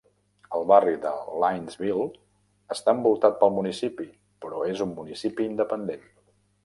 El barri de Linesville està envoltat pel municipi, però és un municipi independent.